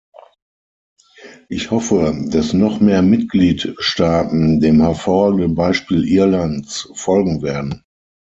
Ich hoffe, dass noch mehr Mitgliedstaaten dem hervorragenden Beispiel Irlands folgen werden.